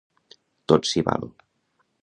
Tot s'hi val.